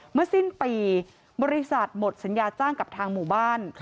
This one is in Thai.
เมื่อสิ้นปีบริษัทหมดสัญญาจ้างกับทางหมู่บ้าน